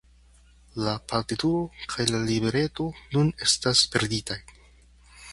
La partituro kaj la libreto nun estas perditaj.